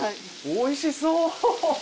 おいしそう！